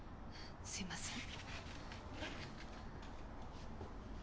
すいません。